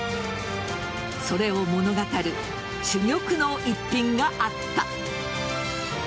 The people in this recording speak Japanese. それを物語る珠玉の一品があった。